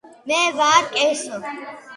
მე ვარ კესო